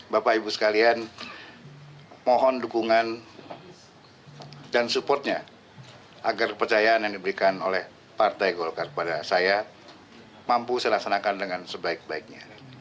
bapak ibu sekalian mohon dukungan dan support nya agar percayaan yang diberikan oleh partai golkar kepada saya mampu dilaksanakan dengan sebaik baiknya